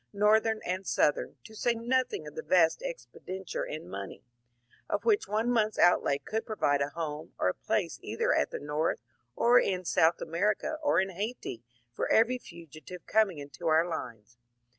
Northern and Southern, to say nothing of the vast expendi ture in money, — of which one month's outky could provide a home or a place either at the North or in South America or in Hayti for every fugitive coming into our lines.